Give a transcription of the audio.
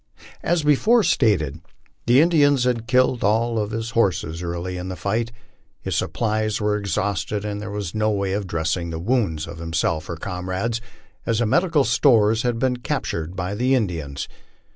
As before stated, the Indians had killed all of his horses early in the fight. His supplies were exhausted, and there was no way of dressing the wounds of himself or comrades, as the medical stores had been captured by the Indians.